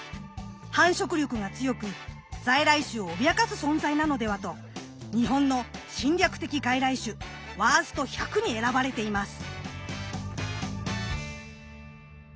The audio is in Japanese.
繁殖力が強く在来種を脅かす存在なのではと日本の侵略的外来種ワースト１００に選ばれています。